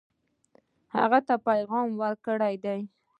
هغه ته پیغام ورکړی دی.